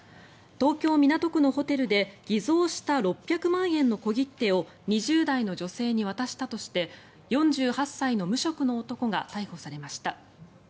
東京・港区のホテルで偽造した６００万円の小切手を２０代の女性に渡したとして４８歳の無職の男が逮捕されました。